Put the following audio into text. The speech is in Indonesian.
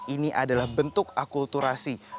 ini adalah bentuk akulturasi